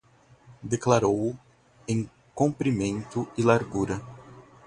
Declarou-o em comprimento e largura